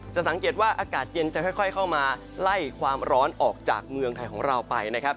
สังเกตว่าอากาศเย็นจะค่อยเข้ามาไล่ความร้อนออกจากเมืองไทยของเราไปนะครับ